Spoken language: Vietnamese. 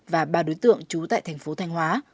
và ba đối tượng trú tại thành phố thanh hóa